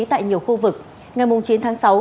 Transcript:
tại nhiều khu vực ngày chín tháng sáu